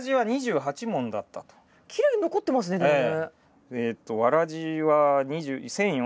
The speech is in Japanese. きれいに残ってますねでもね。